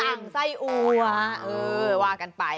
จะสั่งไส้อัวว่ากันไป